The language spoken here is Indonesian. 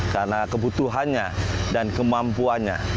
karena kebutuhannya dan kemampuannya